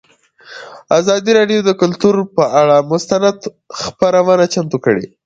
ازادي راډیو د کلتور پر اړه مستند خپرونه چمتو کړې.